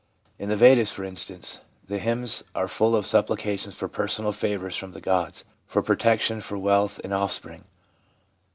In the Vedas, for instance, the hymns are full of supplications for personal favours from the gods — for protection, for wealth, and offspring.